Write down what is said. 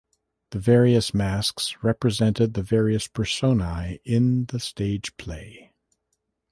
The various masks represented the various "personae" in the stage play.